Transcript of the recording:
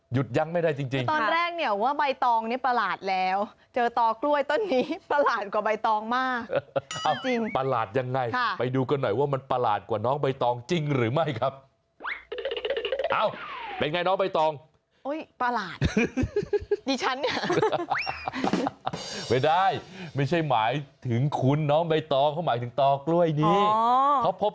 หยุดยั้งไม่ได้จริงครับ